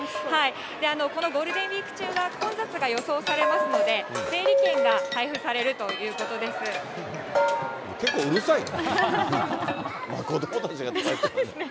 このゴールデンウィーク中は混雑が予想されますので、整理券が配結構うるさいね。